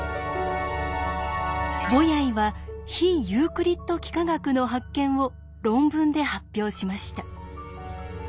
ボヤイは非ユークリッド幾何学の発見を論文で発表しました。